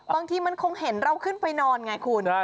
บางทีมันคงเห็นเราขึ้นไปนอนไงคุณ